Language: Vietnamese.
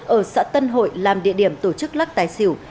ở xã tân hội làm địa điểm tổ chức lắc tài xỉu